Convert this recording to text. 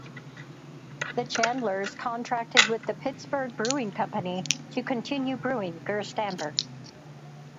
The Chandlers contracted with the Pittsburg Brewing Company to continue brewing Gerst Amber.